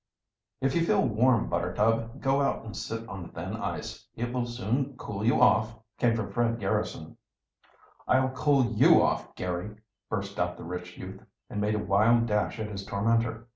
"If you feel warm, Buttertub, go out and sit on the thin ice. It will soon cool you off," came from Fred Garrison. "I'll cool you off, Garry!" burst out the rich youth, and made a wild dash at his tormentor.